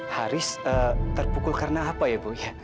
haris terpukul karena apa ibu